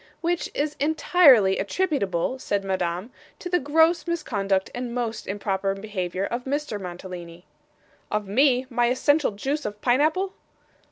'Which is entirely attributable,' said Madame, 'to the gross misconduct and most improper behaviour of Mr. Mantalini.' 'Of me, my essential juice of pineapple!